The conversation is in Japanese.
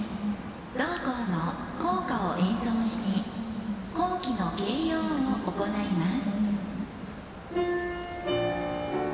同校の校歌を演奏して校旗の掲揚を行います。